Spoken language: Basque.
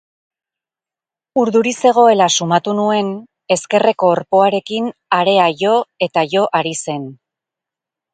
Urduri zegoela sumatu nuen, ezkerreko orpoarekin harea jo eta jo ari zen.